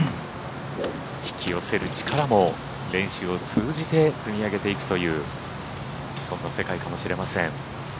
引き寄せる力も練習を通じて積み上げていくというそんな世界かもしれません。